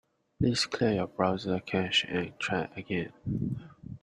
Please clear your browser cache and try again.